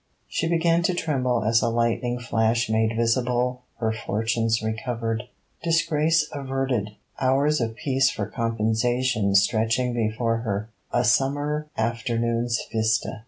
She began to tremble as a lightning flash made visible her fortunes recovered, disgrace averted, hours of peace for composition stretching before her: a summer afternoon's vista.